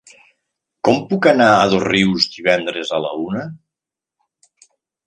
Com puc anar a Dosrius divendres a la una?